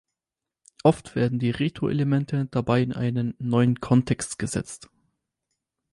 Oft werden die Retro-Elemente dabei in einen neuen Kontext gesetzt.